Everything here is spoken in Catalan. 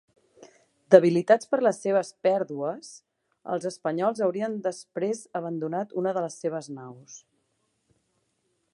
Debilitats per les seves pèrdues, els espanyols haurien després abandonat una de les seves naus.